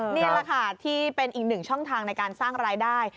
นี่แหละค่ะที่เป็นอีกหนึ่งช่องทางในการสร้างรายได้